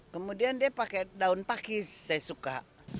kemudian dia pakai daun pakis saya suka